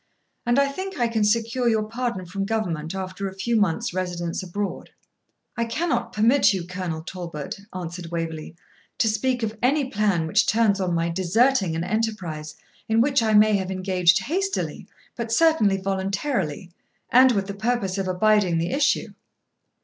And I think I can secure your pardon from government after a few months' residence abroad.' 'I cannot permit you, Colonel Talbot,' answered Waverley, 'to speak of any plan which turns on my deserting an enterprise in which I may have engaged hastily, but certainly voluntarily, and with the purpose of abiding the issue.'